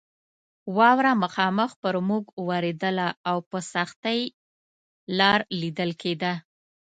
واوره مخامخ پر موږ ورېدله او په سختۍ لار لیدل کېده.